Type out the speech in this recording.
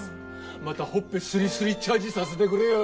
またほっぺすりすりチャージさせてくれよ。